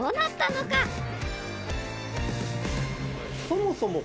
そもそも。